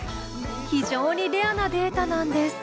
非常にレアなデータなんです。